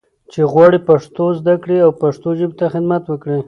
چې غواړي پښتو زده کړي او پښتو ژبې ته خدمت وکړي.